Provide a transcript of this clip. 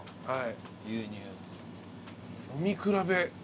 はい。